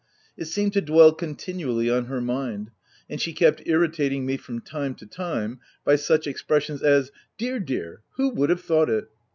It seemed to dwell continually on her mind, and she kept irritating me from time to time by such expressions as— " Dear, dear, \vho would have thought it